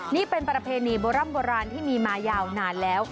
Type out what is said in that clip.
นี่เป็นประเพณีโบร่ำโบราณที่มีมายาวนานแล้ว